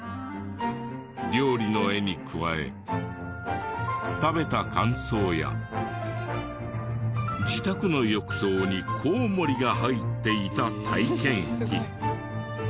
料理の絵に加え食べた感想や自宅の浴槽にコウモリが入っていた体験記。